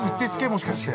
もしかして。